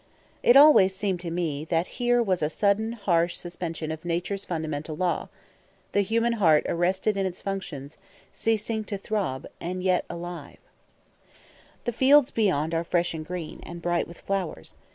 It always seemed to me that here was a sudden, harsh suspension of nature's fundamental law, the human heart arrested in its functions, ceasing to throb, and yet alive. [Illustration: PRESENTATION OF A PRINCESS.] The fields beyond are fresh and green, and bright with flowers.